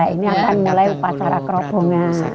ini akan mulai upacara kerobongan